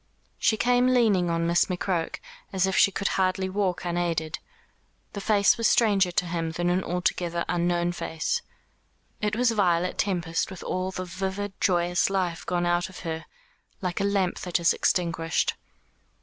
She came leaning on Miss McCroke, as if she could hardly walk unaided. The face was stranger to him than an altogether unknown face. It was Violet Tempest with all the vivid joyous life gone out of her, like a lamp that is extinguished.